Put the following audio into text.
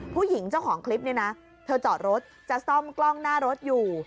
ผู้หญิงเจ้าของคลิปเนี่ยนะเธอจอดรถจะซ่อมกล้องหน้ารถอยู่